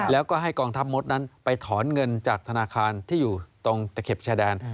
แล้วก็ให้กองทัพมดนั้นไปถอนเงินจากธนาคารที่อยู่ตรงตะเข็บชายแดน